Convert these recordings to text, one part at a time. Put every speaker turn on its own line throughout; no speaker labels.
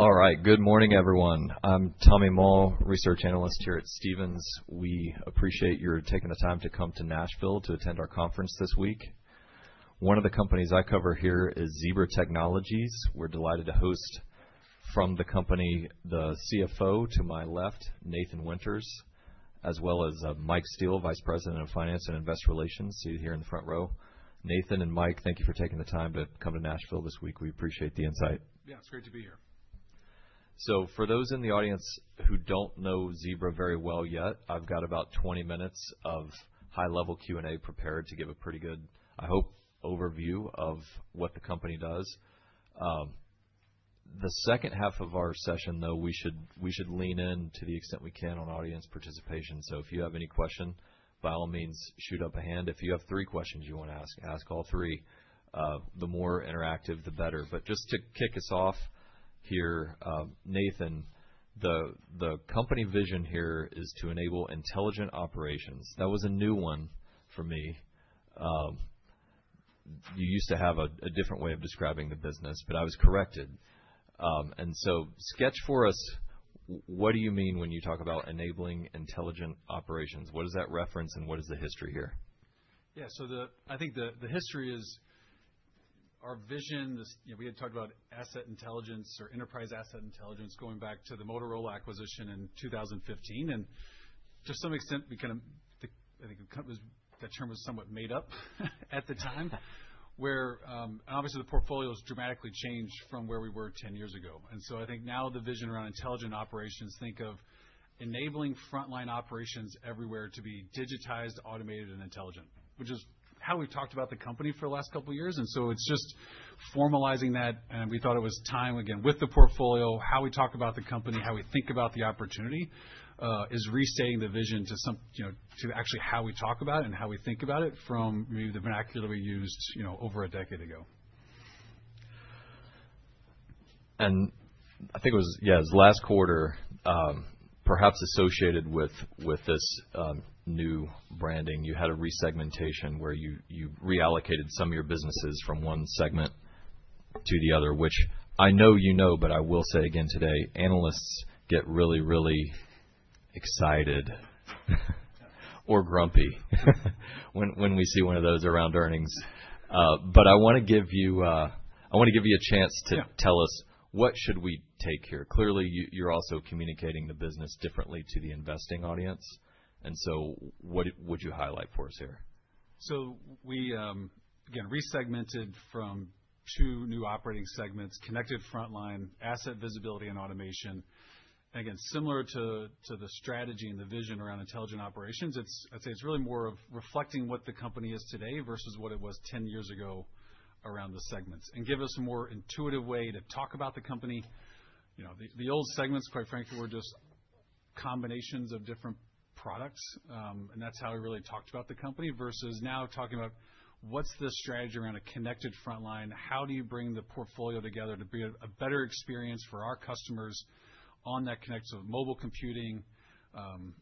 All right, good morning, everyone. I'm Tommy Mull, Research Analyst here at Stephens. We appreciate your taking the time to come to Nashville to attend our conference this week. One of the companies I cover here is Zebra Technologies. We're delighted to host. From the company, the CFO to my left, Nathan Winters, as well as Mike Steele, Vice President of Finance and Investor Relations, seated here in the front row. Nathan and Mike, thank you for taking the time to come to Nashville this week. We appreciate the insight.
Yeah, it's great to be here.
For those in the audience who do not know Zebra very well yet, I have about 20 minutes of high-level Q&A prepared to give a pretty good, I hope, overview of what the company does. The second half of our session, though, we should lean in, to the extent we can, on audience participation. If you have any question, by all means, shoot up a hand. If you have three questions you want to ask, ask all three. The more interactive, the better. Just to kick us off here, Nathan, the company vision here is to enable intelligent operations. That was a new one for me. You used to have a different way of describing the business, but I was corrected. Sketch for us, what do you mean when you talk about enabling intelligent operations? What does that reference, and what is the history here?
Yeah, so I think the history is our vision. We had talked about asset intelligence, or enterprise asset intelligence, going back to the Motorola acquisition in 2015. To some extent, I think that term was somewhat made up at the time, where obviously the portfolio has dramatically changed from where we were 10 years ago. I think now the vision around intelligent operations, think of enabling frontline operations everywhere to be digitized, automated, and intelligent, which is how we've talked about the company for the last couple of years. It's just formalizing that. We thought it was time, again, with the portfolio, how we talk about the company, how we think about the opportunity, is restating the vision to actually how we talk about it and how we think about it from maybe the vernacular we used over a decade ago.
I think it was, yeah, it was last quarter, perhaps associated with this new branding, you had a resegmentation where you reallocated some of your businesses from one segment to the other, which I know you know, but I will say again today, analysts get really, really excited or grumpy when we see one of those around earnings. I want to give you a chance to tell us, what should we take here? Clearly, you're also communicating the business differently to the investing audience. What would you highlight for us here?
We, again, resegmented from two new operating segments, connected frontline, asset visibility, and automation. Again, similar to the strategy and the vision around intelligent operations, I'd say it's really more of reflecting what the company is today versus what it was 10 years ago around the segments, and give us a more intuitive way to talk about the company. The old segments, quite frankly, were just combinations of different products. That's how we really talked about the company versus now talking about, what's the strategy around a connected frontline? How do you bring the portfolio together to bring a better experience for our customers on that connected mobile computing,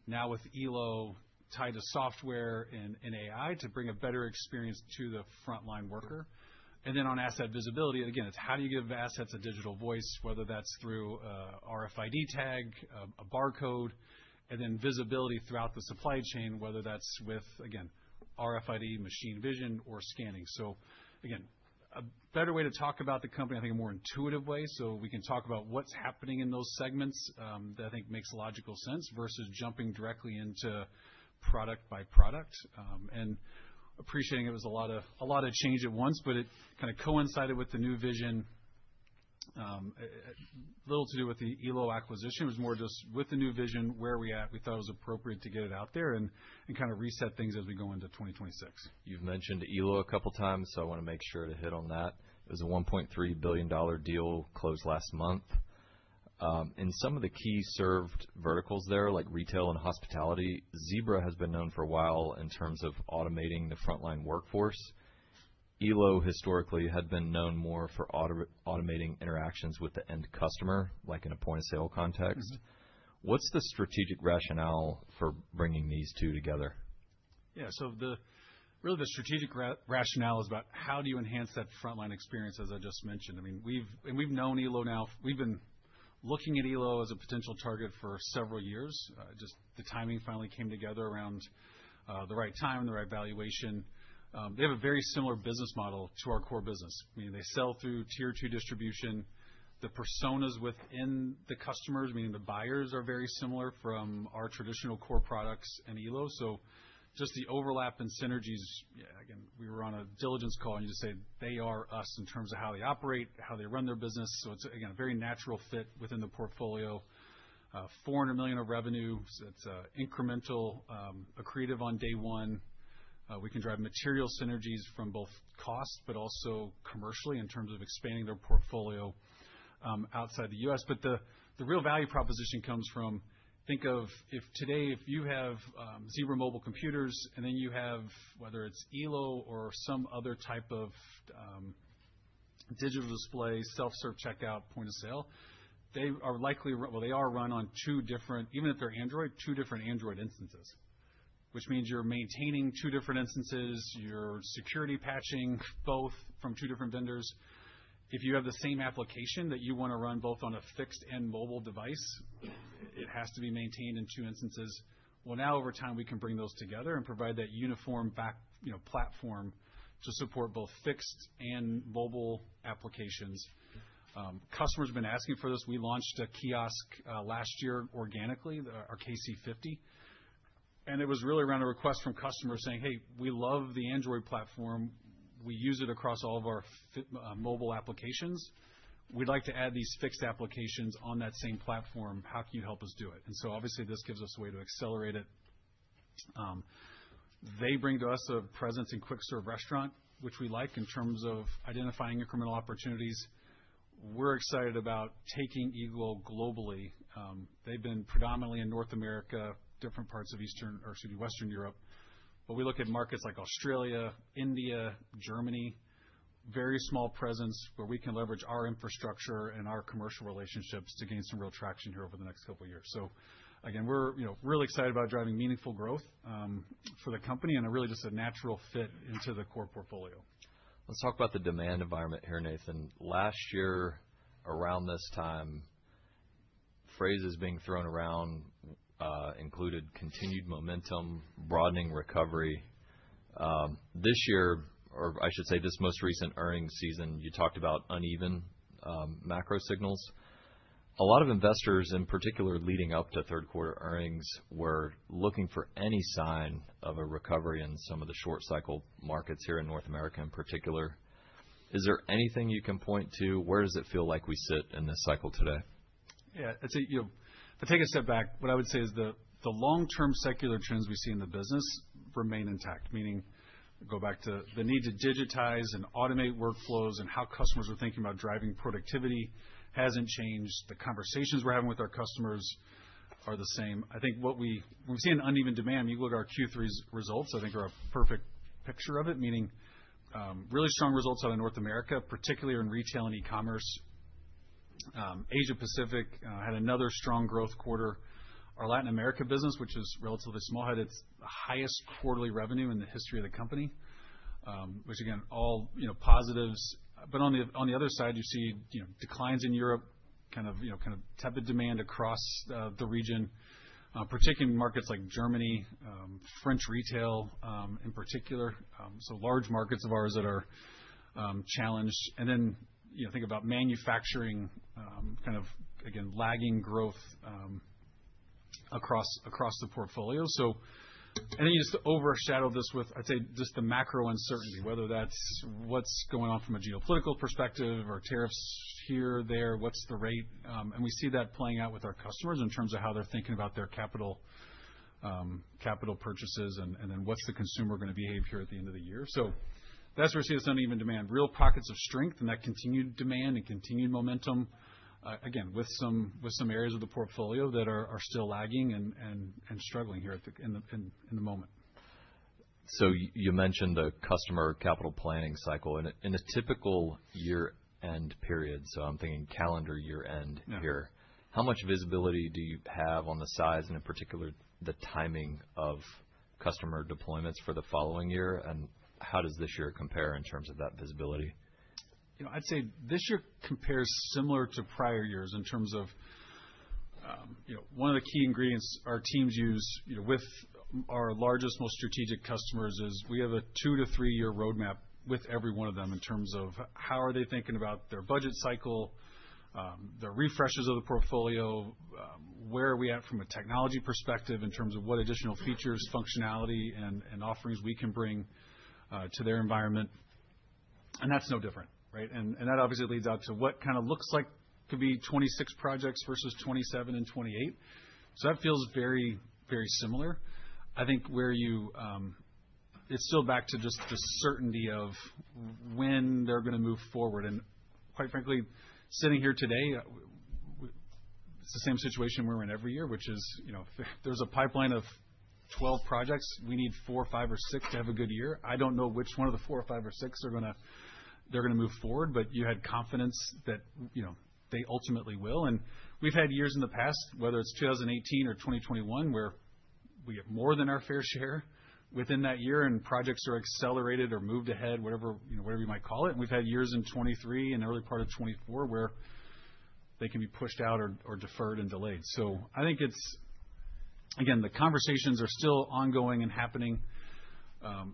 now with Elo, tied to software and AI, to bring a better experience to the frontline worker? On asset visibility, again, it's how do you give assets a digital voice, whether that's through RFID tag, a barcode, and then visibility throughout the supply chain, whether that's with, again, RFID, machine vision, or scanning. A better way to talk about the company, I think, a more intuitive way, so we can talk about what's happening in those segments that I think makes logical sense versus jumping directly into product by product. Appreciating it was a lot of change at once, but it kind of coincided with the new vision. Little to do with the Elo acquisition. It was more just with the new vision, where we at, we thought it was appropriate to get it out there and kind of reset things as we go into 2026.
You've mentioned Elo a couple of times, so I want to make sure to hit on that. It was a $1.3 billion deal closed last month. In some of the key served verticals there, like retail and hospitality, Zebra has been known for a while in terms of automating the frontline workforce. Elo historically had been known more for automating interactions with the end customer, like in a point of sale context. What's the strategic rationale for bringing these two together?
Yeah, so really the strategic rationale is about how do you enhance that frontline experience, as I just mentioned. I mean, we've known Elo now. We've been looking at Elo as a potential target for several years. Just the timing finally came together around the right time, the right valuation. They have a very similar business model to our core business. I mean, they sell through tier two distribution. The personas within the customers, meaning the buyers, are very similar from our traditional core products and Elo. Just the overlap and synergies, again, we were on a diligence call, and you just say, they are us in terms of how they operate, how they run their business. It's, again, a very natural fit within the portfolio. $400 million of revenue. It's incremental, accretive on day one. We can drive material synergies from both cost, but also commercially in terms of expanding their portfolio outside the U.S. The real value proposition comes from, think of today, if you have Zebra mobile computers, and then you have, whether it's Elo or some other type of digital display, self-serve checkout, point of sale, they are likely, well, they are run on two different, even if they're Android, two different Android instances, which means you're maintaining two different instances, you're security patching both from two different vendors. If you have the same application that you want to run both on a fixed and mobile device, it has to be maintained in two instances. Now over time, we can bring those together and provide that uniform platform to support both fixed and mobile applications. Customers have been asking for this. We launched a kiosk last year organically, our KC50. It was really around a request from customers saying, "Hey, we love the Android platform. We use it across all of our mobile applications. We'd like to add these fixed applications on that same platform. How can you help us do it?" Obviously, this gives us a way to accelerate it. They bring to us a presence in quick-serve restaurant, which we like in terms of identifying incremental opportunities. We're excited about taking Elo globally. They've been predominantly in North America, different parts of Western Europe. We look at markets like Australia, India, Germany, very small presence where we can leverage our infrastructure and our commercial relationships to gain some real traction here over the next couple of years. Again, we're really excited about driving meaningful growth for the company, and really just a natural fit into the core portfolio.
Let's talk about the demand environment here, Nathan. Last year, around this time, phrases being thrown around included continued momentum, broadening recovery. This year, or I should say this most recent earnings season, you talked about uneven macro signals. A lot of investors, in particular leading up to third quarter earnings, were looking for any sign of a recovery in some of the short-cycle markets here in North America in particular. Is there anything you can point to? Where does it feel like we sit in this cycle today?
Yeah, I'd say if I take a step back, what I would say is the long-term secular trends we see in the business remain intact, meaning go back to the need to digitize and automate workflows and how customers are thinking about driving productivity hasn't changed. The conversations we're having with our customers are the same. I think what we've seen, uneven demand, I mean, look at our Q3 results, I think are a perfect picture of it, meaning really strong results out of North America, particularly in retail and e-commerce. Asia-Pacific had another strong growth quarter. Our Latin America business, which is relatively small, had its highest quarterly revenue in the history of the company, which again, all positives. On the other side, you see declines in Europe, kind of tepid demand across the region, particularly in markets like Germany, French retail in particular. Large markets of ours that are challenged. Think about manufacturing, kind of, again, lagging growth across the portfolio. You just overshadow this with, I'd say, just the macro uncertainty, whether that's what's going on from a geopolitical perspective or tariffs here, there, what's the rate. We see that playing out with our customers in terms of how they're thinking about their capital purchases and then what's the consumer going to behave here at the end of the year. That's where we see this uneven demand, real pockets of strength and that continued demand and continued momentum, again, with some areas of the portfolio that are still lagging and struggling here in the moment.
You mentioned the customer capital planning cycle. In a typical year-end period, I'm thinking calendar year-end here, how much visibility do you have on the size and in particular the timing of customer deployments for the following year? How does this year compare in terms of that visibility?
I'd say this year compares similar to prior years in terms of one of the key ingredients our teams use with our largest, most strategic customers is we have a two- to three-year roadmap with every one of them in terms of how are they thinking about their budget cycle, their refreshes of the portfolio, where are we at from a technology perspective in terms of what additional features, functionality, and offerings we can bring to their environment. That is no different, right? That obviously leads out to what kind of looks like could be 2026 projects versus 2027 and 2028. That feels very, very similar. I think where you, it's still back to just the certainty of when they're going to move forward. Quite frankly, sitting here today, it's the same situation we're in every year, which is if there's a pipeline of 12 projects, we need four, five, or six to have a good year. I don't know which one of the four, five, or six they're going to move forward, but you had confidence that they ultimately will. We've had years in the past, whether it's 2018 or 2021, where we have more than our fair share within that year and projects are accelerated or moved ahead, whatever you might call it. We've had years in 2023 and the early part of 2024 where they can be pushed out or deferred and delayed. I think it's, again, the conversations are still ongoing and happening.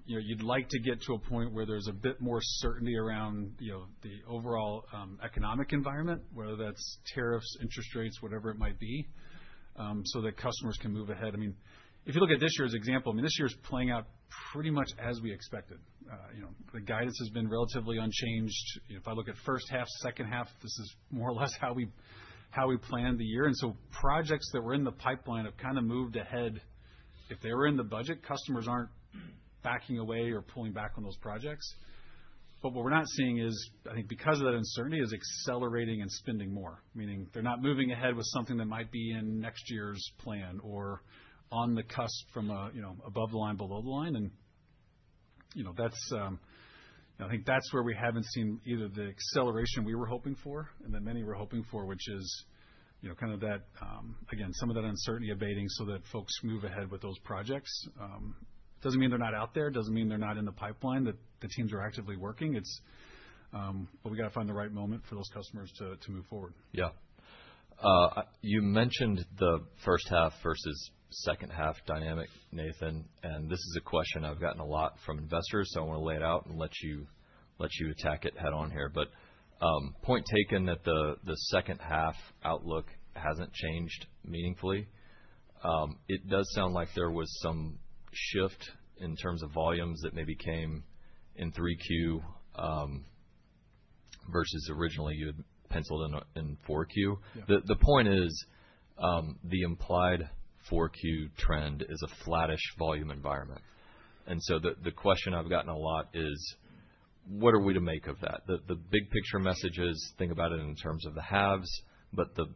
You'd like to get to a point where there's a bit more certainty around the overall economic environment, whether that's tariffs, interest rates, whatever it might be, so that customers can move ahead. I mean, if you look at this year as an example, I mean, this year is playing out pretty much as we expected. The guidance has been relatively unchanged. If I look at first half, second half, this is more or less how we plan the year. And so projects that were in the pipeline have kind of moved ahead. If they were in the budget, customers aren't backing away or pulling back on those projects. What we're not seeing is, I think because of that uncertainty, is accelerating and spending more, meaning they're not moving ahead with something that might be in next year's plan or on the cusp from above the line, below the line. I think that's where we haven't seen either the acceleration we were hoping for and that many were hoping for, which is kind of that, again, some of that uncertainty abating so that folks move ahead with those projects. It doesn't mean they're not out there. It doesn't mean they're not in the pipeline that the teams are actively working. We got to find the right moment for those customers to move forward.
Yeah. You mentioned the first half versus second half dynamic, Nathan. This is a question I've gotten a lot from investors, so I want to lay it out and let you attack it head on here. Point taken that the second half outlook hasn't changed meaningfully. It does sound like there was some shift in terms of volumes that maybe came in 3Q versus originally you had penciled in 4Q. The point is the implied 4Q trend is a flattish volume environment. The question I've gotten a lot is, what are we to make of that? The big picture message is think about it in terms of the halves, but the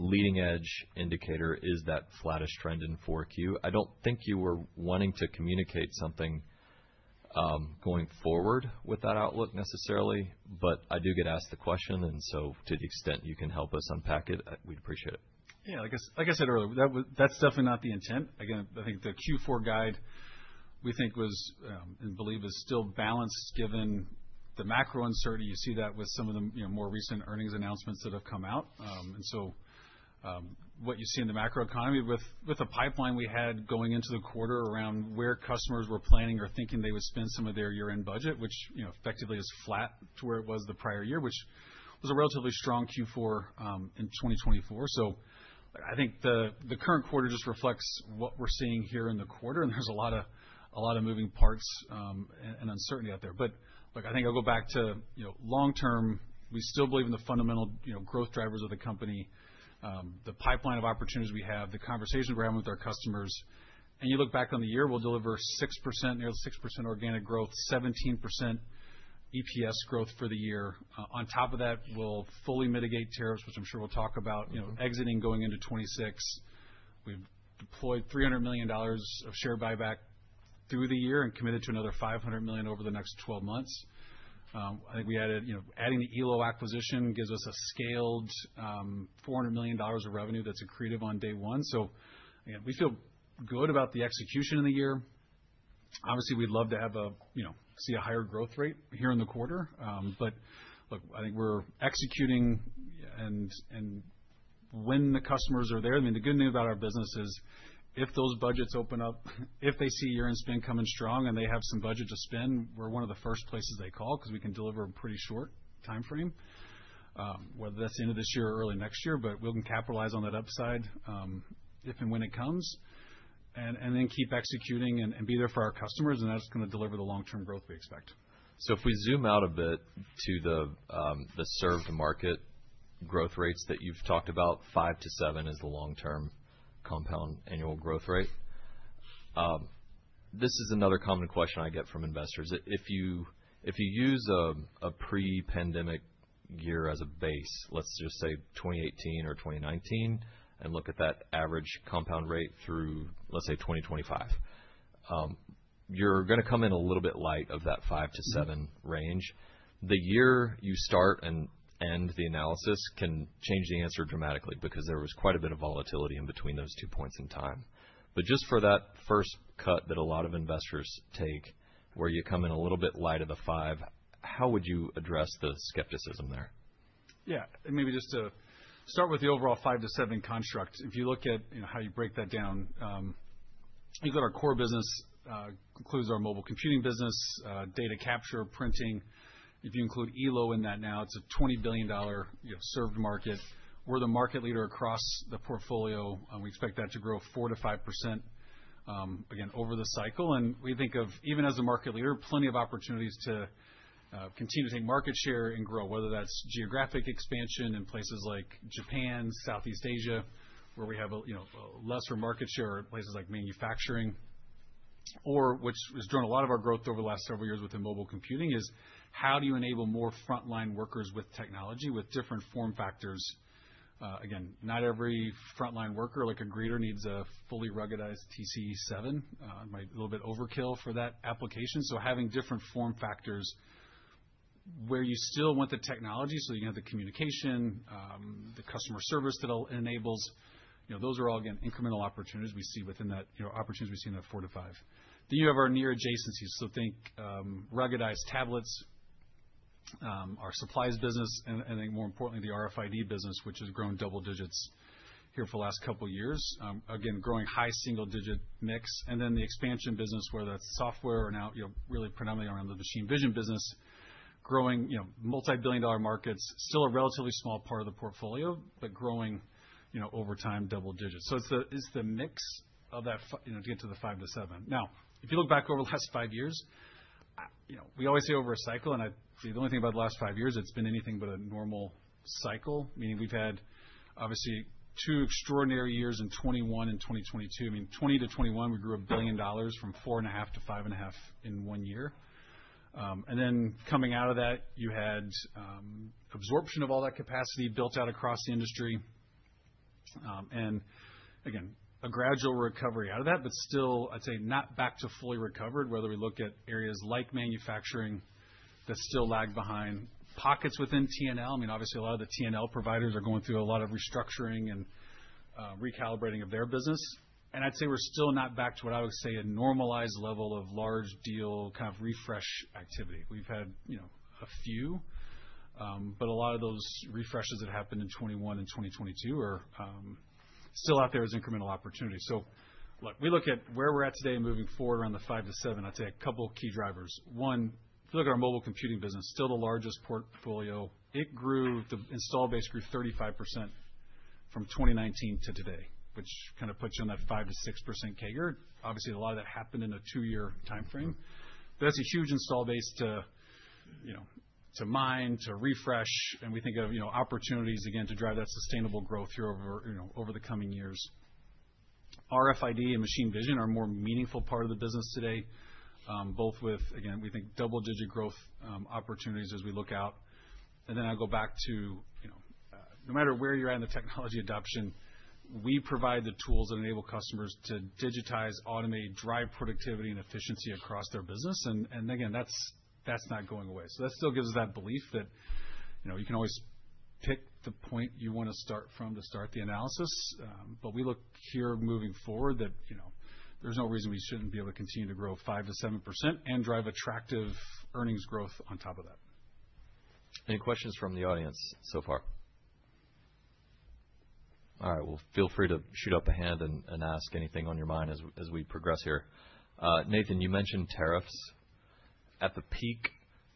leading edge indicator is that flattish trend in 4Q. I don't think you were wanting to communicate something going forward with that outlook necessarily, but I do get asked the question. To the extent you can help us unpack it, we'd appreciate it.
Yeah, like I said earlier, that's definitely not the intent. Again, I think the Q4 guide we think was, and believe is still balanced given the macro uncertainty. You see that with some of the more recent earnings announcements that have come out. What you see in the macro economy with a pipeline we had going into the quarter around where customers were planning or thinking they would spend some of their year-end budget, which effectively is flat to where it was the prior year, which was a relatively strong Q4 in 2024. I think the current quarter just reflects what we're seeing here in the quarter, and there's a lot of moving parts and uncertainty out there. I think I'll go back to long-term. We still believe in the fundamental growth drivers of the company, the pipeline of opportunities we have, the conversations we're having with our customers. You look back on the year, we'll deliver 6%, nearly 6% organic growth, 17% EPS growth for the year. On top of that, we'll fully mitigate tariffs, which I'm sure we'll talk about, exiting going into 2026. We've deployed $300 million of share buyback through the year and committed to another $500 million over the next 12 months. I think adding the Elo acquisition gives us a scaled $400 million of revenue that's accretive on day one. We feel good about the execution in the year. Obviously, we'd love to see a higher growth rate here in the quarter. Look, I think we're executing, and when the customers are there, I mean, the good news about our business is if those budgets open up, if they see year-end spend coming strong and they have some budget to spend, we're one of the first places they call because we can deliver a pretty short timeframe, whether that's the end of this year or early next year, but we can capitalize on that upside if and when it comes and then keep executing and be there for our customers. That's going to deliver the long-term growth we expect.
If we zoom out a bit to the serve-to-market growth rates that you've talked about, five to seven is the long-term compound annual growth rate. This is another common question I get from investors. If you use a pre-pandemic year as a base, let's just say 2018 or 2019, and look at that average compound rate through, let's say, 2025, you're going to come in a little bit light of that five to seven range. The year you start and end the analysis can change the answer dramatically because there was quite a bit of volatility in between those two points in time. Just for that first cut that a lot of investors take where you come in a little bit light of the five, how would you address the skepticism there?
Yeah, maybe just to start with the overall five to seven construct. If you look at how you break that down, you've got our core business, includes our mobile computing business, data capture, printing. If you include Elo in that now, it's a $20 billion serve-to-market. We're the market leader across the portfolio. We expect that to grow 4%-5%, again, over the cycle. We think of, even as a market leader, plenty of opportunities to continue to take market share and grow, whether that's geographic expansion in places like Japan, Southeast Asia, where we have a lesser market share, or places like manufacturing, or which has driven a lot of our growth over the last several years within mobile computing is how do you enable more frontline workers with technology with different form factors. Again, not every frontline worker like a greeter needs a fully ruggedized TCE7, might be a little bit overkill for that application. Having different form factors where you still want the technology so you can have the communication, the customer service that enables, those are all, again, incremental opportunities we see within that, opportunities we see in that four to five. You have our near adjacencies. Think ruggedized tablets, our supplies business, and I think more importantly, the RFID business, which has grown double digits here for the last couple of years. Again, growing high single-digit mix. The expansion business, whether that's software or now really predominantly around the machine vision business, growing multi-billion dollar markets, still a relatively small part of the portfolio, but growing over time, double digits. It's the mix of that to get to the five to seven. Now, if you look back over the last five years, we always say over a cycle, and I see the only thing about the last five years, it's been anything but a normal cycle, meaning we've had obviously two extraordinary years in 2021 and 2022. I mean, 2020-2021, we grew a billion dollars from $4.5 billion-$5.5 billion in one year. Coming out of that, you had absorption of all that capacity built out across the industry. Again, a gradual recovery out of that, but still, I'd say not back to fully recovered, whether we look at areas like manufacturing that still lag behind pockets within T&L. I mean, obviously, a lot of the T&L providers are going through a lot of restructuring and recalibrating of their business. I'd say we're still not back to what I would say a normalized level of large deal kind of refresh activity. We've had a few, but a lot of those refreshes that happened in 2021 and 2022 are still out there as incremental opportunity. Look, we look at where we're at today and moving forward around the 5%-7%, I'd say a couple of key drivers. One, if you look at our mobile computing business, still the largest portfolio, it grew, the install base grew 35% from 2019 to today, which kind of puts you on that 5%-6% CAGR. Obviously, a lot of that happened in a two-year timeframe. That's a huge install base to mine, to refresh. We think of opportunities, again, to drive that sustainable growth here over the coming years. RFID and machine vision are a more meaningful part of the business today, both with, again, we think double-digit growth opportunities as we look out. I will go back to no matter where you're at in the technology adoption, we provide the tools that enable customers to digitize, automate, drive productivity and efficiency across their business. Again, that's not going away. That still gives us that belief that you can always pick the point you want to start from to start the analysis. We look here moving forward that there's no reason we shouldn't be able to continue to grow 5%-7% and drive attractive earnings growth on top of that.
Any questions from the audience so far? All right. Feel free to shoot up a hand and ask anything on your mind as we progress here. Nathan, you mentioned tariffs. At the peak,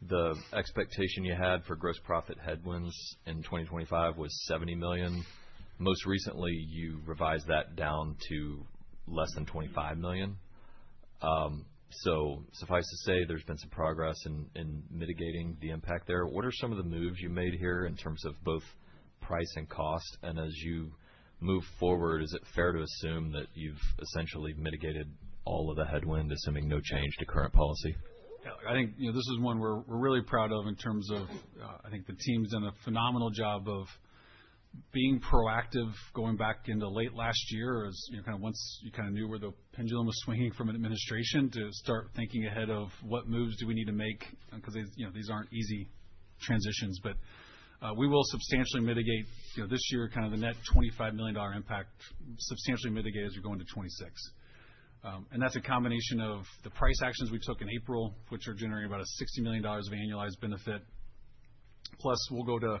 the expectation you had for gross profit headwinds in 2025 was $70 million. Most recently, you revised that down to less than $25 million. Suffice to say, there's been some progress in mitigating the impact there. What are some of the moves you made here in terms of both price and cost? As you move forward, is it fair to assume that you've essentially mitigated all of the headwind, assuming no change to current policy?
Yeah, I think this is one we're really proud of in terms of I think the team's done a phenomenal job of being proactive going back into late last year as kind of once you kind of knew where the pendulum was swinging from an administration to start thinking ahead of what moves do we need to make because these aren't easy transitions. We will substantially mitigate this year kind of the net $25 million impact, substantially mitigate as we're going to 2026. That's a combination of the price actions we took in April, which are generating about a $60 million of annualized benefit. Plus, we'll go to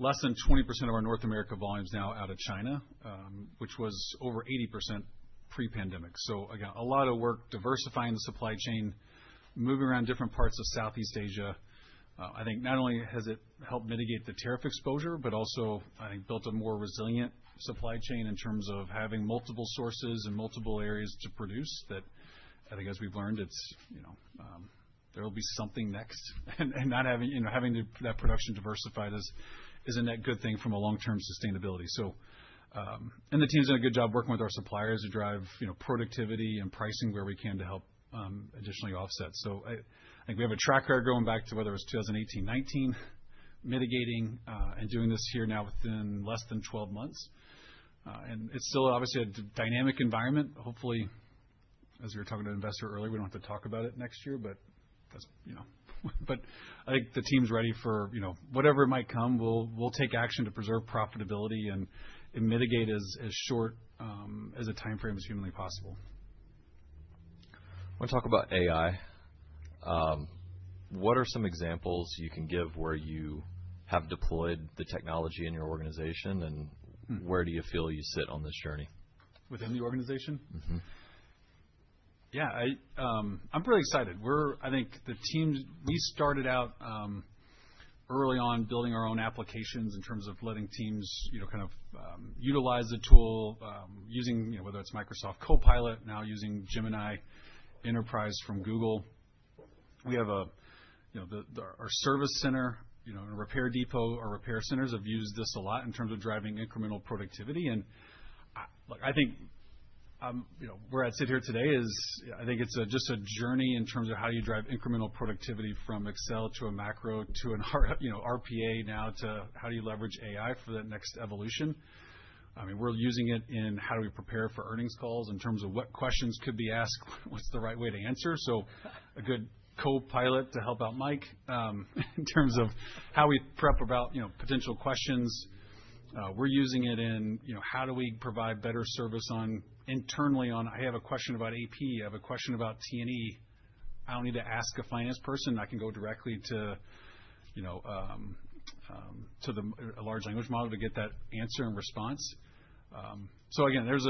less than 20% of our North America volumes now out of China, which was over 80% pre-pandemic. Again, a lot of work diversifying the supply chain, moving around different parts of Southeast Asia. I think not only has it helped mitigate the tariff exposure, but also I think built a more resilient supply chain in terms of having multiple sources and multiple areas to produce that. I think as we've learned, there will be something next. Not having that production diversified is a net good thing from a long-term sustainability. The team's done a good job working with our suppliers to drive productivity and pricing where we can to help additionally offset. I think we have a track record going back to whether it was 2018, 2019, mitigating and doing this here now within less than 12 months. It is still obviously a dynamic environment. Hopefully, as we were talking to an investor earlier, we do not have to talk about it next year, but I think the team's ready for whatever it might come, we will take action to preserve profitability and mitigate as short as a timeframe as humanly possible.
I want to talk about AI. What are some examples you can give where you have deployed the technology in your organization and where do you feel you sit on this journey?
Within the organization?
Mm-hmm.
Yeah, I'm really excited. I think the team, we started out early on building our own applications in terms of letting teams kind of utilize the tool using whether it's Microsoft Copilot, now using Gemini Enterprise from Google. We have our service center, our repair depot, our repair centers have used this a lot in terms of driving incremental productivity. I think where I'd sit here today is I think it's just a journey in terms of how do you drive incremental productivity from Excel to a macro to an RPA now to how do you leverage AI for that next evolution. I mean, we're using it in how do we prepare for earnings calls in terms of what questions could be asked, what's the right way to answer. A good copilot to help out Mike in terms of how we prep about potential questions. We're using it in how do we provide better service internally on I have a question about AP, I have a question about T&E. I don't need to ask a finance person. I can go directly to a large language model to get that answer and response. There's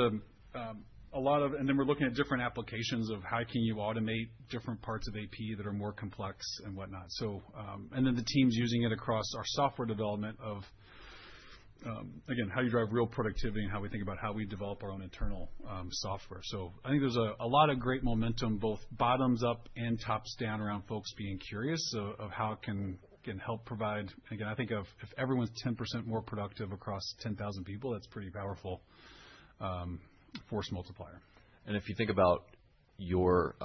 a lot of and then we're looking at different applications of how can you automate different parts of AP that are more complex and whatnot. The team's using it across our software development of, again, how you drive real productivity and how we think about how we develop our own internal software. I think there's a lot of great momentum, both bottoms up and tops down around folks being curious of how it can help provide. I think if everyone's 10% more productive across 10,000 people, that's a pretty powerful force multiplier.
If you think about your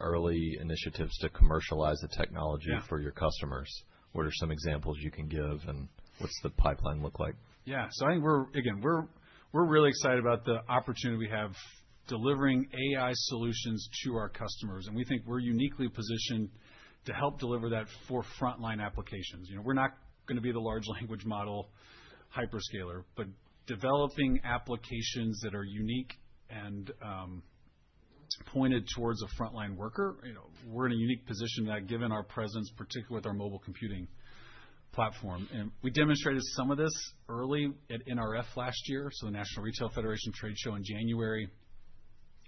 early initiatives to commercialize the technology for your customers, what are some examples you can give and what's the pipeline look like?
Yeah, so I think we're, again, we're really excited about the opportunity we have delivering AI solutions to our customers. We think we're uniquely positioned to help deliver that for frontline applications. We're not going to be the large language model hyperscaler, but developing applications that are unique and pointed towards a frontline worker. We're in a unique position that given our presence, particularly with our mobile computing platform. We demonstrated some of this early at NRF last year, so the National Retail Federation Trade Show in January.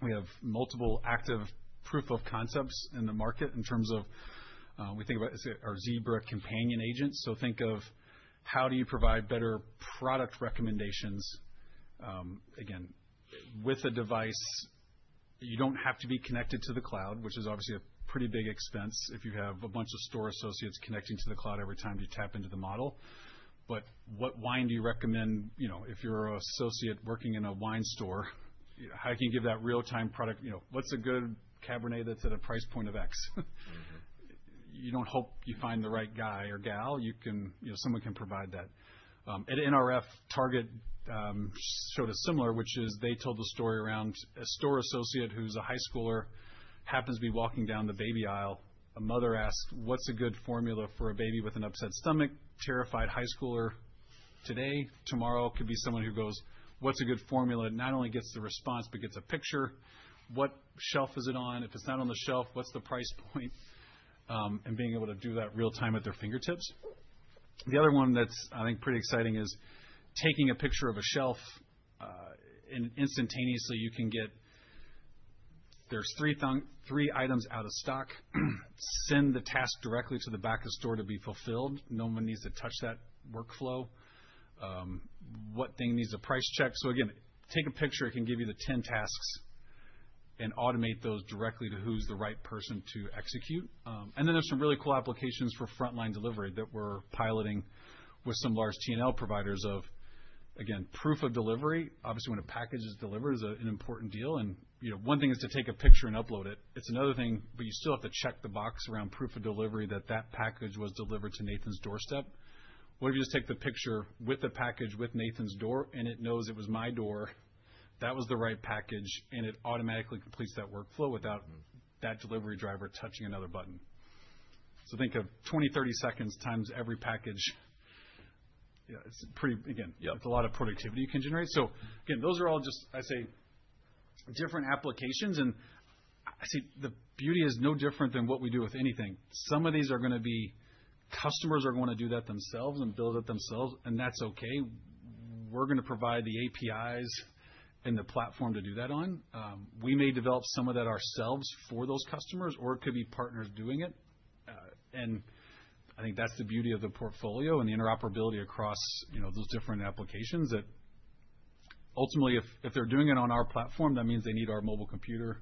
We have multiple active proof of concepts in the market in terms of we think about our Zebra Companion Agents. Think of how do you provide better product recommendations, again, with a device. You don't have to be connected to the cloud, which is obviously a pretty big expense if you have a bunch of store associates connecting to the cloud every time you tap into the model. What wine do you recommend if you're an associate working in a wine store? How can you give that real-time product? What's a good Cabernet that's at a price point of X? You don't hope you find the right guy or gal. Someone can provide that. At NRF, Target showed a similar, which is they told the story around a store associate who's a high schooler, happens to be walking down the baby aisle. A mother asked, "What's a good formula for a baby with an upset stomach?" Terrified high schooler today, tomorrow could be someone who goes, "What's a good formula?" Not only gets the response, but gets a picture. What shelf is it on? If it's not on the shelf, what's the price point? And being able to do that real-time at their fingertips. The other one that's, I think, pretty exciting is taking a picture of a shelf and instantaneously you can get there's three items out of stock. Send the task directly to the back of the store to be fulfilled. No one needs to touch that workflow. What thing needs a price check? So again, take a picture. It can give you the 10 tasks and automate those directly to who's the right person to execute. And then there's some really cool applications for frontline delivery that we're piloting with some large T&L providers of, again, proof of delivery. Obviously, when a package is delivered, it's an important deal. And one thing is to take a picture and upload it. It's another thing, but you still have to check the box around proof of delivery that that package was delivered to Nathan's doorstep. What if you just take the picture with the package with Nathan's door and it knows it was my door, that was the right package, and it automatically completes that workflow without that delivery driver touching another button. Think of 20 seconds-30 seconds times every package. It's pretty, again, it's a lot of productivity you can generate. Those are all just, I'd say, different applications. I see the beauty is no different than what we do with anything. Some of these are going to be customers are going to do that themselves and build it themselves, and that's okay. We're going to provide the APIs and the platform to do that on. We may develop some of that ourselves for those customers, or it could be partners doing it. I think that's the beauty of the portfolio and the interoperability across those different applications that ultimately, if they're doing it on our platform, that means they need our mobile computer.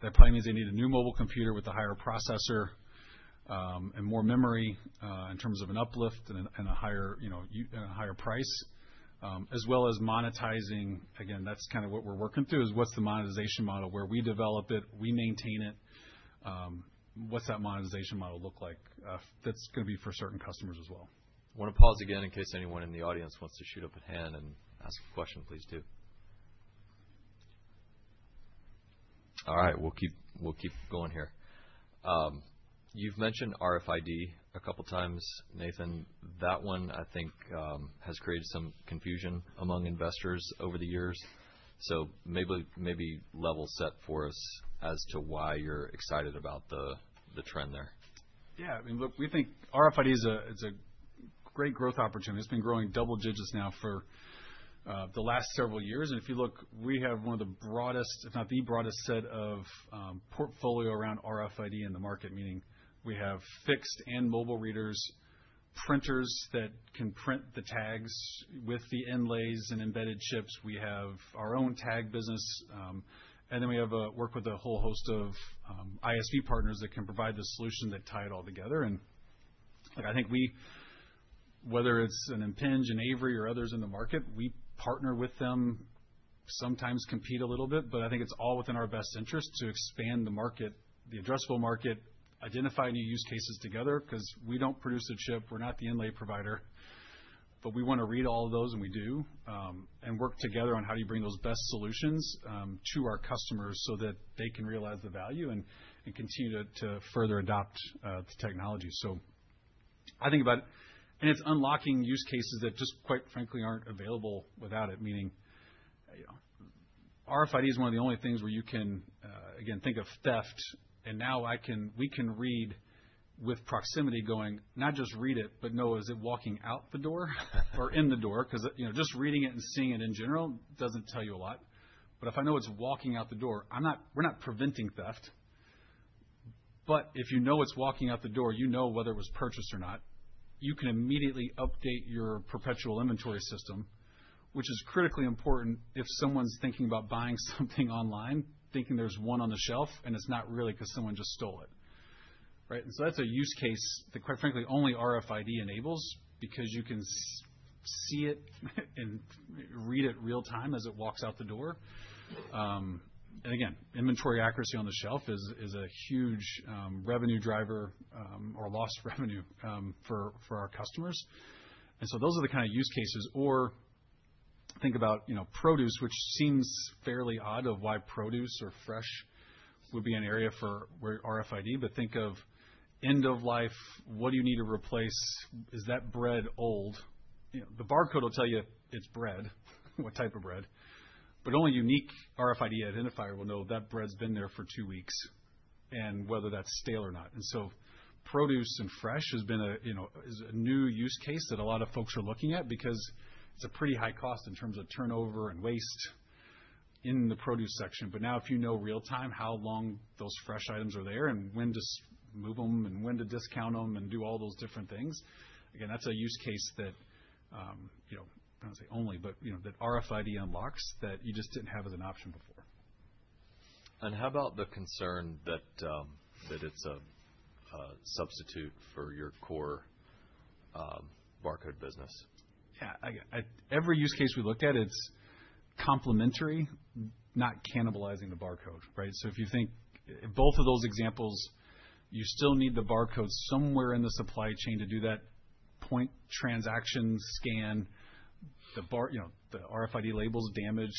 That probably means they need a new mobile computer with a higher processor and more memory in terms of an uplift and a higher price, as well as monetizing. Again, that's kind of what we're working through is what's the monetization model where we develop it, we maintain it. What's that monetization model look like? That's going to be for certain customers as well.
I want to pause again in case anyone in the audience wants to shoot up a hand and ask a question, please do. All right. We'll keep going here. You've mentioned RFID a couple of times, Nathan. That one, I think, has created some confusion among investors over the years. Maybe level set for us as to why you're excited about the trend there.
Yeah. I mean, look, we think RFID is a great growth opportunity. It's been growing double digits now for the last several years. If you look, we have one of the broadest, if not the broadest, set of portfolio around RFID in the market, meaning we have fixed and mobile readers, printers that can print the tags with the inlays and embedded chips. We have our own tag business. We have worked with a whole host of ISV partners that can provide the solution that tie it all together. I think we, whether it's an Impinj, an Avery, or others in the market, we partner with them, sometimes compete a little bit, but I think it's all within our best interest to expand the market, the addressable market, identify new use cases together because we don't produce a chip, we're not the inlay provider, but we want to read all of those and we do and work together on how do you bring those best solutions to our customers so that they can realize the value and continue to further adopt the technology. I think about it, and it's unlocking use cases that just, quite frankly, aren't available without it, meaning RFID is one of the only things where you can, again, think of theft. Now we can read with proximity going, not just read it, but know is it walking out the door or in the door because just reading it and seeing it in general does not tell you a lot. If I know it is walking out the door, we are not preventing theft. If you know it is walking out the door, you know whether it was purchased or not. You can immediately update your perpetual inventory system, which is critically important if someone is thinking about buying something online, thinking there is one on the shelf and it is not really because someone just stole it. Right? That is a use case that, quite frankly, only RFID enables because you can see it and read it real-time as it walks out the door. Inventory accuracy on the shelf is a huge revenue driver or lost revenue for our customers. Those are the kind of use cases. Think about produce, which seems fairly odd of why produce or fresh would be an area for RFID, but think of end of life, what do you need to replace? Is that bread old? The barcode will tell you it's bread, what type of bread. Only a unique RFID identifier will know that bread's been there for two weeks and whether that's stale or not. Produce and fresh has been a new use case that a lot of folks are looking at because it's a pretty high cost in terms of turnover and waste in the produce section. Now if you know real-time how long those fresh items are there and when to move them and when to discount them and do all those different things, again, that's a use case that, I don't want to say only, but that RFID unlocks that you just didn't have as an option before.
How about the concern that it's a substitute for your core barcode business?
Yeah. Every use case we looked at, it's complementary, not cannibalizing the barcode. Right? If you think both of those examples, you still need the barcode somewhere in the supply chain to do that point transaction scan. The RFID label's damaged.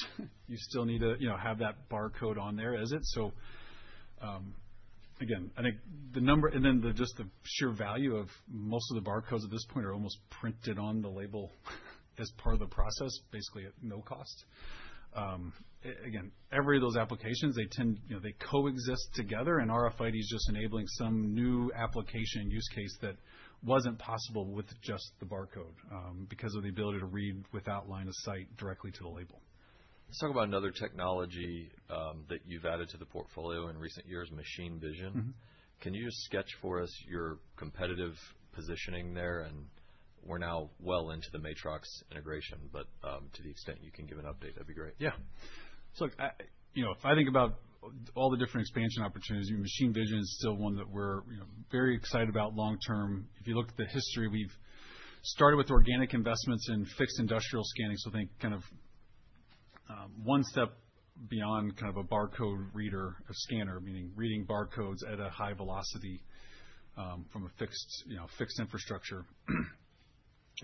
You still need to have that barcode on there as it. I think the number and then just the sheer value of most of the barcodes at this point are almost printed on the label as part of the process, basically at no cost. Again, every of those applications, they coexist together and RFID is just enabling some new application use case that was not possible with just the barcode because of the ability to read without line of sight directly to the label.
Let's talk about another technology that you've added to the portfolio in recent years, machine vision. Can you just sketch for us your competitive positioning there? We're now well into the Matrox integration, but to the extent you can give an update, that'd be great.
Yeah. If I think about all the different expansion opportunities, Machine Vision is still one that we're very excited about long-term. If you look at the history, we've started with organic investments in fixed industrial scanning. I think kind of one step beyond kind of a barcode reader or scanner, meaning reading barcodes at a high velocity from a fixed infrastructure.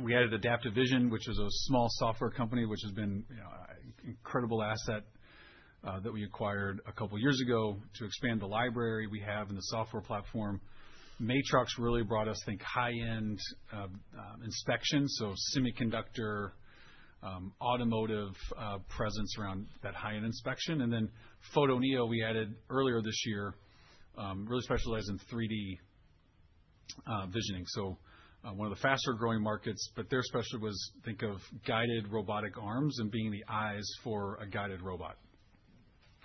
We added Adaptive Vision, which is a small software company, which has been an incredible asset that we acquired a couple of years ago to expand the library we have and the software platform. Matrox really brought us, I think, high-end inspection, so semiconductor, automotive presence around that high-end inspection. Photoneo, we added earlier this year, really specialized in 3D visioning. One of the faster-growing markets, but their specialty was, I think, guided robotic arms and being the eyes for a guided robot.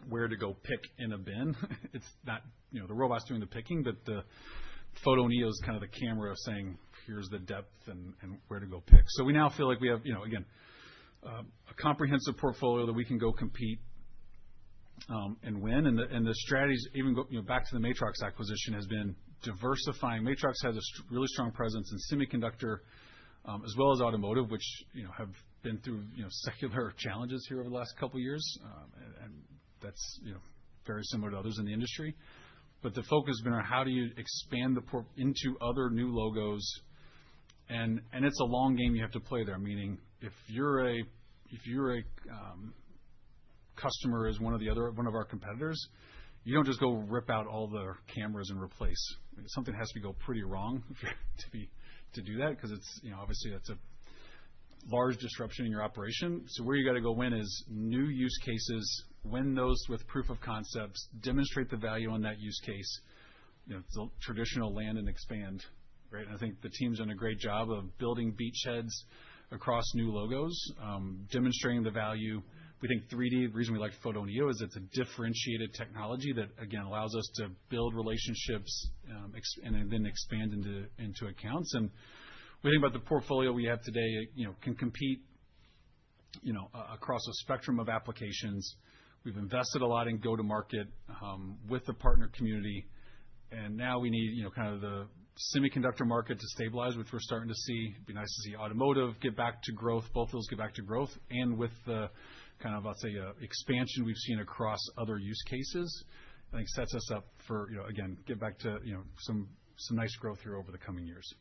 Where to go pick in a bin. It's not the robot's doing the picking, but the Photoneo is kind of the camera saying, "Here's the depth and where to go pick." We now feel like we have, again, a comprehensive portfolio that we can go compete and win. The strategies, even back to the Matrox acquisition, have been diversifying. Matrox has a really strong presence in semiconductor as well as automotive, which have been through secular challenges here over the last couple of years. That is very similar to others in the industry. The focus has been on how do you expand into other new logos. It's a long game you have to play there, meaning if you're a customer as one of our competitors, you don't just go rip out all the cameras and replace. Something has to go pretty wrong to do that because obviously that's a large disruption in your operation. Where you got to go win is new use cases, win those with proof of concepts, demonstrate the value on that use case. Traditional land and expand. Right? I think the team's done a great job of building beachheads across new logos, demonstrating the value. We think 3D, the reason we like Photoneo is it's a differentiated technology that, again, allows us to build relationships and then expand into accounts. We think about the portfolio we have today can compete across a spectrum of applications. We've invested a lot in go-to-market with the partner community. Now we need kind of the semiconductor market to stabilize, which we're starting to see. It'd be nice to see automotive get back to growth, both of those get back to growth. With the kind of, I'll say, expansion we've seen across other use cases, I think sets us up for, again, get back to some nice growth here over the coming years.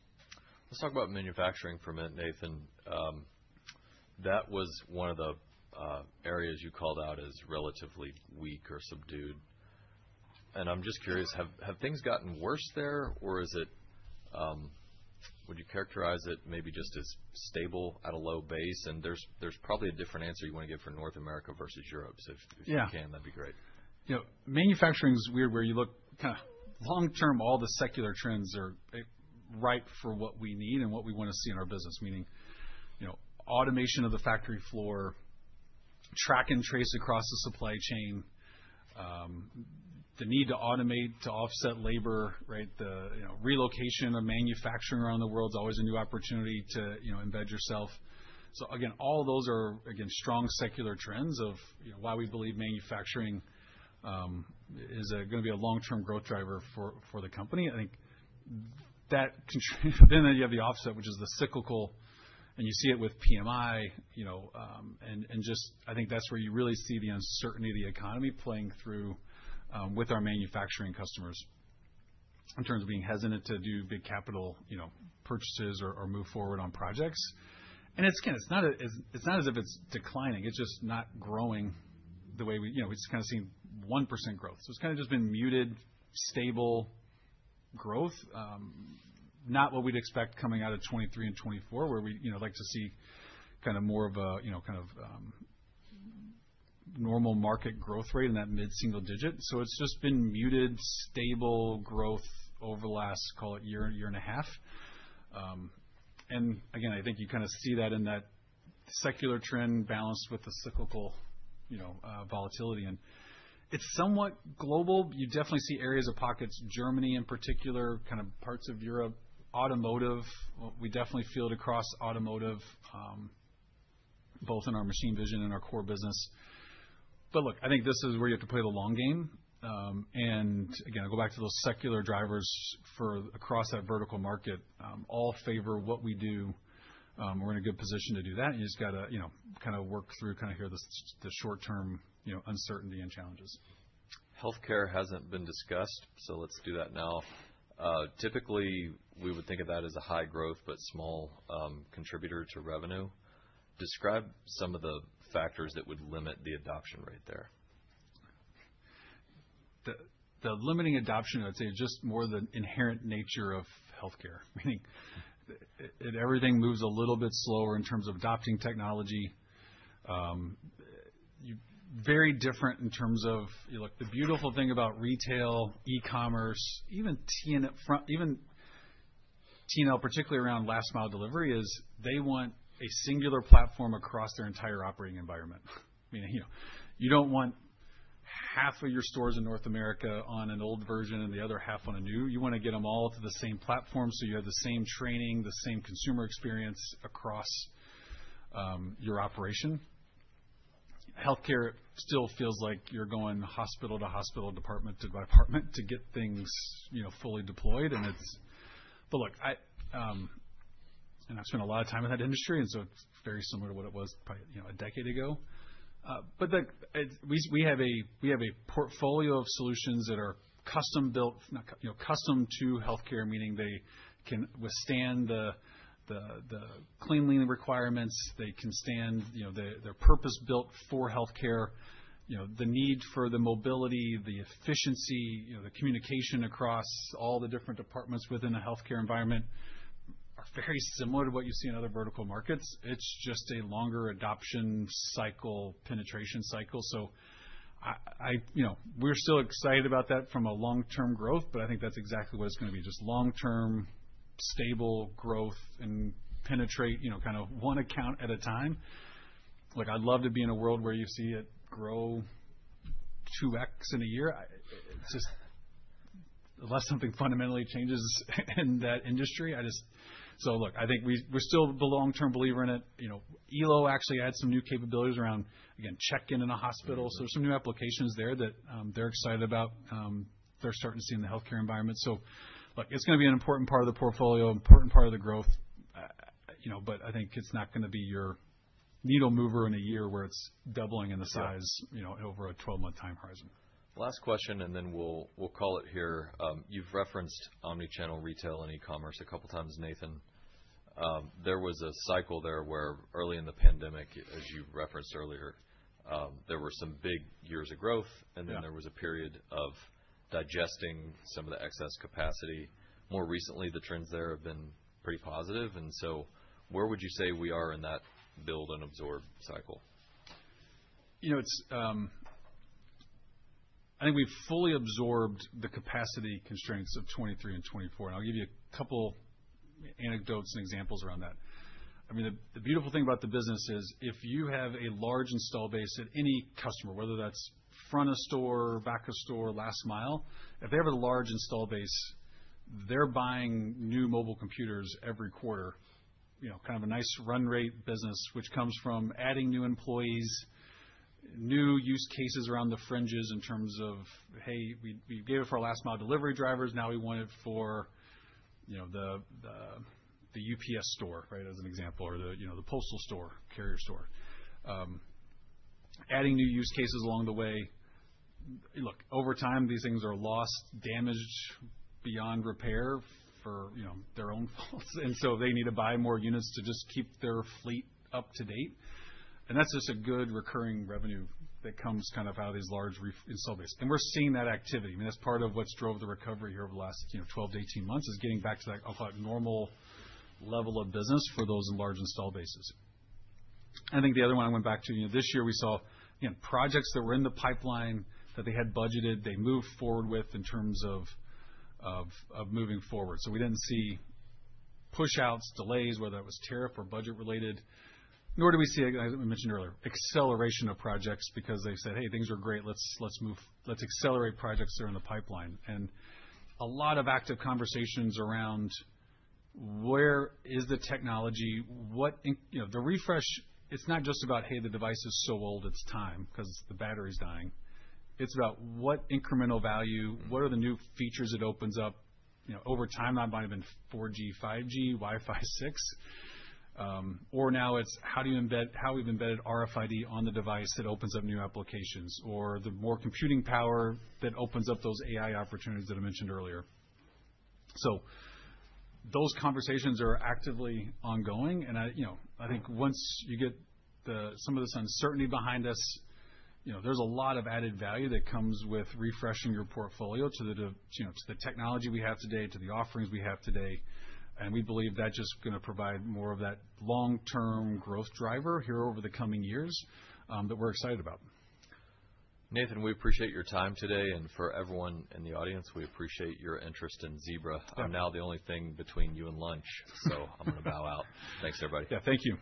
Let's talk about manufacturing for a minute, Nathan. That was one of the areas you called out as relatively weak or subdued. I'm just curious, have things gotten worse there or would you characterize it maybe just as stable at a low base? There's probably a different answer you want to give for North America versus Europe. If you can, that'd be great.
Manufacturing is weird where you look kind of long-term, all the secular trends are right for what we need and what we want to see in our business, meaning automation of the factory floor, track and trace across the supply chain, the need to automate to offset labor, right? The relocation of manufacturing around the world is always a new opportunity to embed yourself. Again, all of those are, again, strong secular trends of why we believe manufacturing is going to be a long-term growth driver for the company. I think that then you have the offset, which is the cyclical, and you see it with PMI and just I think that's where you really see the uncertainty of the economy playing through with our manufacturing customers in terms of being hesitant to do big capital purchases or move forward on projects. It is not as if it is declining. It is just not growing the way we just kind of see 1% growth. It has just been muted, stable growth, not what we would expect coming out of 2023 and 2024 where we would like to see more of a normal market growth rate in that mid-single digit. It has just been muted, stable growth over the last, call it, year and a half. I think you see that in that secular trend balanced with the cyclical volatility. It is somewhat global. You definitely see areas of pockets, Germany in particular, parts of Europe, automotive. We definitely feel it across automotive, both in our Machine Vision and our core business. I think this is where you have to play the long game. I'll go back to those secular drivers across that vertical market all favor what we do. We're in a good position to do that. You just got to kind of work through here the short-term uncertainty and challenges.
Healthcare hasn't been discussed, so let's do that now. Typically, we would think of that as a high growth but small contributor to revenue. Describe some of the factors that would limit the adoption rate there.
The limiting adoption, I'd say, is just more of the inherent nature of healthcare, meaning everything moves a little bit slower in terms of adopting technology. Very different in terms of, look, the beautiful thing about retail, e-commerce, even T&L, particularly around last-mile delivery, is they want a singular platform across their entire operating environment. Meaning you don't want half of your stores in North America on an old version and the other half on a new. You want to get them all to the same platform so you have the same training, the same consumer experience across your operation. Healthcare still feels like you're going hospital to hospital, department to department to get things fully deployed. Look, I spent a lot of time in that industry, and so it's very similar to what it was probably a decade ago. We have a portfolio of solutions that are custom-built, custom to healthcare, meaning they can withstand the cleanliness requirements. They are purpose built for healthcare. The need for the mobility, the efficiency, the communication across all the different departments within the healthcare environment are very similar to what you see in other vertical markets. It's just a longer adoption cycle, penetration cycle. We're still excited about that from a long-term growth, but I think that's exactly what it's going to be. Just long-term, stable growth and penetrate kind of one account at a time. Look, I'd love to be in a world where you see it grow 2x in a year, just unless something fundamentally changes in that industry. I think we're still the long-term believer in it. Elo actually adds some new capabilities around, again, check-in in a hospital. There are some new applications there that they're excited about. They're starting to see in the healthcare environment. Look, it's going to be an important part of the portfolio, important part of the growth. I think it's not going to be your needle mover in a year where it's doubling in the size over a 12-month time horizon.
Last question, and then we'll call it here. You've referenced omnichannel retail and e-commerce a couple of times, Nathan. There was a cycle there where early in the pandemic, as you referenced earlier, there were some big years of growth, and then there was a period of digesting some of the excess capacity. More recently, the trends there have been pretty positive. Where would you say we are in that build and absorb cycle?
I think we've fully absorbed the capacity constraints of 2023 and 2024. I'll give you a couple of anecdotes and examples around that. I mean, the beautiful thing about the business is if you have a large install base at any customer, whether that's front of store, back of store, last mile, if they have a large install base, they're buying new mobile computers every quarter, kind of a nice run rate business, which comes from adding new employees, new use cases around the fringes in terms of, "Hey, we gave it for our last-mile delivery drivers. Now we want it for the UPS store," right, as an example, or the postal store, carrier store. Adding new use cases along the way. Look, over time, these things are lost, damaged beyond repair for their own faults. They need to buy more units to just keep their fleet up to date. That's just a good recurring revenue that comes kind of out of these large install bases. We're seeing that activity. I mean, that's part of what's drove the recovery here over the last 12 months-18 months is getting back to that, I'll call it, normal level of business for those large install bases. I think the other one I went back to, this year we saw projects that were in the pipeline that they had budgeted, they moved forward with in terms of moving forward. We didn't see push-outs, delays, whether that was tariff or budget-related, nor do we see, as we mentioned earlier, acceleration of projects because they said, "Hey, things are great. Let's accelerate projects that are in the pipeline. A lot of active conversations around where is the technology, what the refresh, it's not just about, "Hey, the device is so old, it's time because the battery's dying." It's about what incremental value, what are the new features it opens up over time, might have been 4G, 5G, Wi-Fi 6. Now it's how do you embed, how we've embedded RFID on the device that opens up new applications or the more computing power that opens up those AI opportunities that I mentioned earlier. Those conversations are actively ongoing. I think once you get some of this uncertainty behind us, there's a lot of added value that comes with refreshing your portfolio to the technology we have today, to the offerings we have today. We believe that's just going to provide more of that long-term growth driver here over the coming years that we're excited about.
Nathan, we appreciate your time today. For everyone in the audience, we appreciate your interest in Zebra. I'm now the only thing between you and lunch, so I'm going to bow out. Thanks, everybody.
Yeah, thank you.